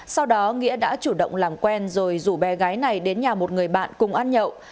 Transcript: sau đó nghĩa đã chủ động làm quen rồi rủ bé gái này đến nhà một người bạn cùng ăn nhậu